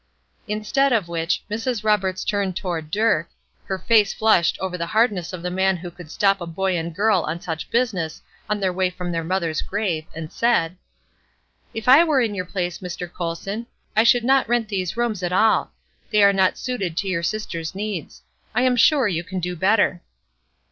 Instead of which, Mrs. Roberts turned toward Dirk, her face flushed over the hardness of a man who could stop a boy and girl on such business on their way from their mother's grave, and said: "If I were in your place, Mr. Colson, I should not rent these rooms at all. They are not suited to your sister's needs. I am sure you can do better."